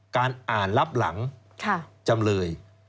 การอ่านรับหลังจำเลย